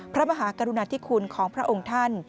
พระมหากรุณาธิคุณของพระองค์ท่าน